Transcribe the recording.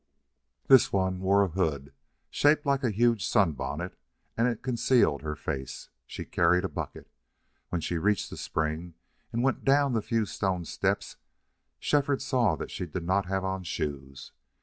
This one wore a hood shaped like a huge sunbonnet and it concealed her face. She carried a bucket. When she reached the spring and went down the few stone steps Shefford saw that she did not have on shoes.